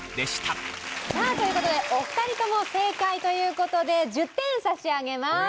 さあという事でお二人とも正解という事で１０点差し上げます。